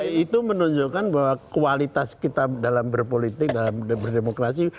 ya itu menunjukkan bahwa kualitas kita dalam berpolitik dalam berdemokrasi